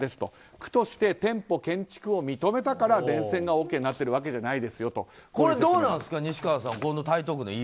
区として店舗建築を認めたから電線がＯＫになってるわけじゃこれはどうですか西川さん